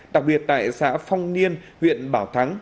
đặc biệt tại xã phong niên huyện bảo thắng